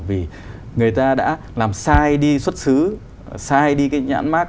vì người ta đã làm sai đi xuất xứ sai đi cái nhãn mát